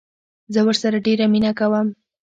زه ورسره ډيره مينه کوم